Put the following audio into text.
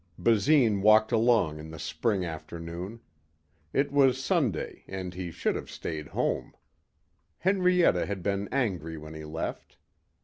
Basine walked along in the spring afternoon. It was Sunday and he should have stayed home. Henrietta had been angry when he left.